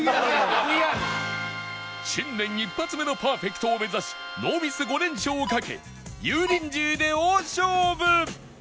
新年１発目のパーフェクトを目指しノーミス５連勝をかけ油淋鶏で大勝負！